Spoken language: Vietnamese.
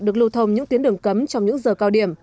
được lưu thông những tuyến đường cấm trong những giờ cao điểm